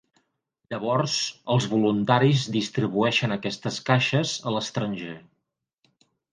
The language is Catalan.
Llavors, els voluntaris distribueixen aquestes caixes a l'estranger.